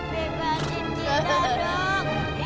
bebaskan kita dok